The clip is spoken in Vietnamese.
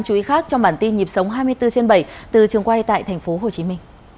chú ý khác trong bản tin nhịp sống hai mươi bốn trên bảy từ trường quay tại tp hcm